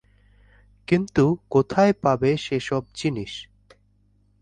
কিন্তু কোথায় পাইবে সে সব জিনিস?